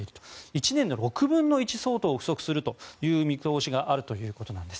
１年の６分の１相当が不足する見通しがあるということです。